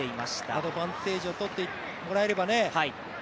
アドバンテージをとってもらえればね。